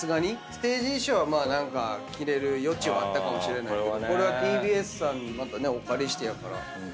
ステージ衣装は着れる余地はあったかもしれないけどこれはＴＢＳさんにお借りしてやから。